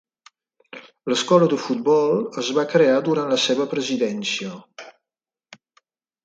L'escola de Futbol es va crear durant la seva presidència.